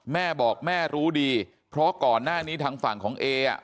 แม่บอกแม่รู้ดีเพราะก่อนหน้านี้ทางฝั่งของเออ่ะ